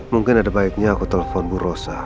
mungkin ada baiknya aku telepon bu rosa